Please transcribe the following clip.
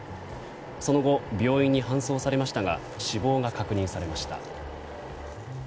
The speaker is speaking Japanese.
その後、病院に搬送されましたが死亡が確認されました。